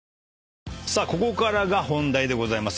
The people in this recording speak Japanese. ここからが本題でございます。